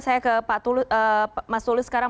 saya ke pak tulus tulus sekarang